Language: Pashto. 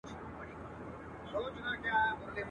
شپه د کال او د پېړۍ په څېر اوږده وای.